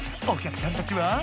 お客さんたちは？